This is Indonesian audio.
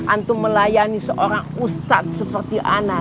antu melayani seorang ustadz seperti ana